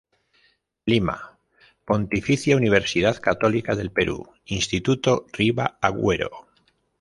Lima: Pontificia Universidad Católica del Perú, Instituto Riva-Agüero.